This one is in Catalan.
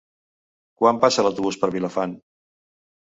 Quan passa l'autobús per Vilafant?